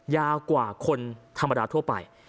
ยาวกว่าคนธรรมดาทั่วไป